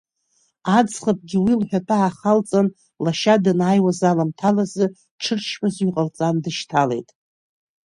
Аӡӷабгьы уи лҳәатәы аахалҵан, лашьа данааиуаз аламҭалазы ҽырчмазаҩ ҟалҵан дышьҭалеит.